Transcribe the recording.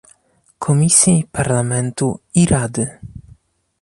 Komisji, Parlamentu i Rady